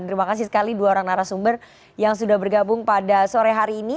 terima kasih sekali dua orang narasumber yang sudah bergabung pada sore hari ini